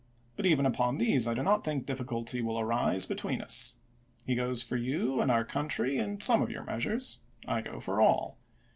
But even upon these I do not think difficulty will arise between us. He goes for you and our country and some of your measures. I go for all.